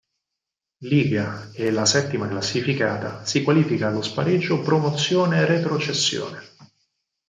Līga e la settima classificata si qualifica allo spareggio promozione-retrocessione.